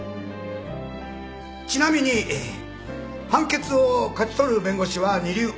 ちなみに判決を勝ち取る弁護士は二流。